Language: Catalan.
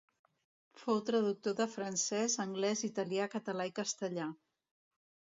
Fou traductor de francès, anglès, italià, català i castellà.